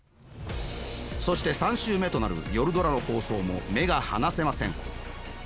そして３週目となる「夜ドラ」の放送も目が離せません。